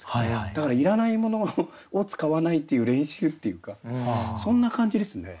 だからいらないものを使わないっていう練習っていうかそんな感じですね。